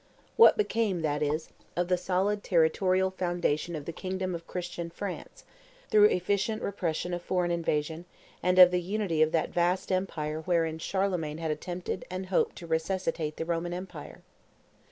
What became, that is, of the solid territorial foundation of the kingdom of Christian France, through efficient repression of foreign invasion, and of the unity of that vast empire wherein Charlemagne had attempted and hoped to resuscitate the Roman empire?